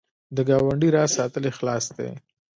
د ګاونډي راز ساتل اخلاص دی